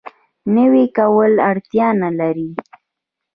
نوی کولو اړتیا نه لري.